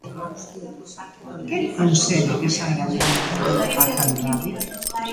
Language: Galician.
Quen consegue que saia adiante a Lei Paz Andrade?